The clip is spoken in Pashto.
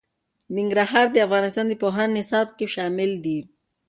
ننګرهار د افغانستان د پوهنې نصاب کې شامل دي.